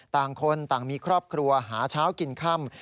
ต่างคนต่างมีครอบครัวหาเช้ากินค่ำ